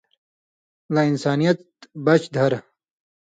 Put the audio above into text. لہ انسانیت بچ دھر